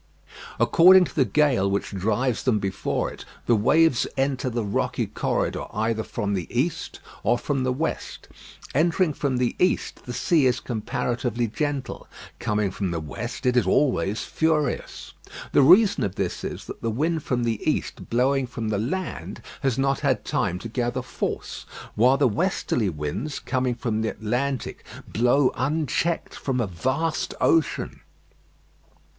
According to the gale which drives them before it, the waves enter the rocky corridor either from the east or from the west. Entering from the east, the sea is comparatively gentle; coming from the west, it is always furious. The reason of this is, that the wind from the east blowing from the land has not had time to gather force; while the westerly winds, coming from the Atlantic, blow unchecked from a vast ocean.